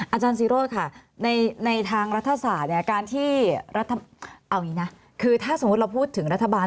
อาจารย์ซีโร่ค่ะในทางรัฐศาสตร์ถ้าสมมุติเราพูดถึงรัฐบาล